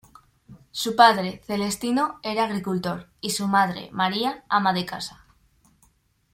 Su padre, Celestino, era agricultor y su madre, María, ama de casa.